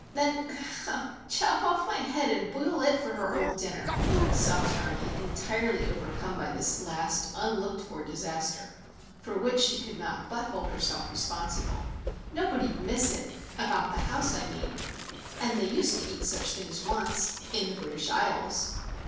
"Then chop off my head and boil it for her old dinner," sobbed Ernie, entirely overcome by this last, unlooked for disaster, for which she could not but hold herself responsible. "Nobody'd miss it,—about the house, I mean,—and they used to eat such things once,—in the British Isles!"